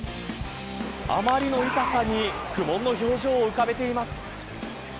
あまりの痛さに苦悶の表情を浮かべています。